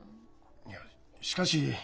いやしかし。